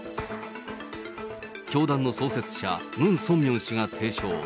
教団の創設者、ムン・ソンミョン氏が提唱。